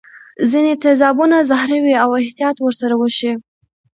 ځیني تیزابونه زهري وي او احتیاط ور سره وشي.